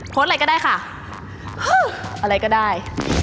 อะไรก็ได้ค่ะอะไรก็ได้